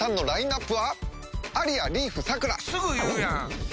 すぐ言うやん！